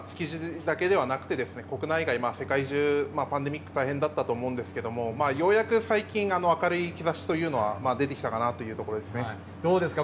コロナ禍は築地だけではなくて、国内外、世界中、パンデミック大変だったと思うんですけれども、ようやく最近、明るい兆しというのは出てきたかなというところですね。